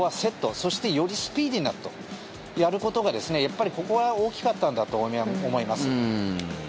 そしてよりスピーディーにとやることがやっぱりここは大きかったんだと思います。